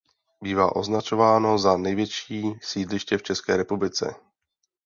Bývá označováno za největší sídliště v České republice.